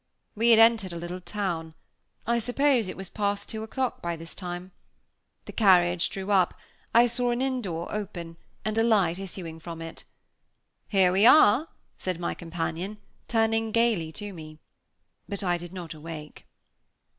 We had entered a little town. I suppose it was past two o'clock by this time. The carriage drew up, I saw an inn door open, and a light issuing from it. "Here we are!" said my companion, turning gaily to me. But I did not awake.